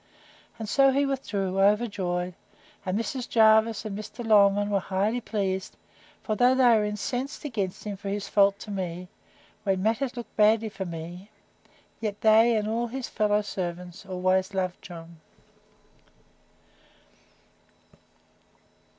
And so he withdrew, overjoyed; and Mrs. Jervis and Mr. Longman were highly pleased; for though they were incensed against him for his fault to me, when matters looked badly for me, yet they, and all his fellow servants, always loved John.